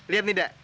lihat nih da